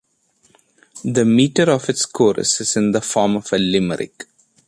The meter of its chorus is in the form of a Limerick.